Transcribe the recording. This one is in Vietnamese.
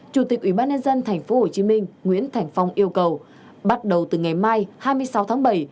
chủ tịch ubnd tp hcm nguyễn thành phong yêu cầu bắt đầu từ ngày mai hai mươi sáu tháng bảy